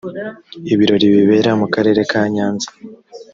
ibirori bibera mu karere ka nyanza.